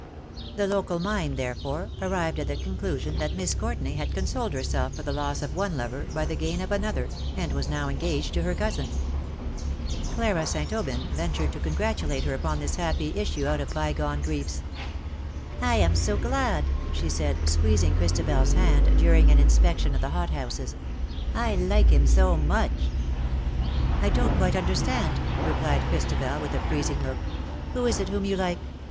The local mind, therefore, arrived at the conclusion that Miss Courtenay had consoled herself for the loss of one lover by the gain of another, and was now engaged to her cousin. LOVES YOU AS OF OLD." Ill Clara St. Aubyn ventured to congratulate her upon this happy issue out of bygone griefs. '^ I am so glad/^ she said, squeezing Christabe?s hand, during an inspection of the hot houses. " I like him so much." "I don^t quite understand/' replied Christabel, with a freezing look :'^ who is it whom you like